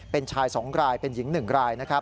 เป็นชาย๒รายเป็นหญิง๑ราย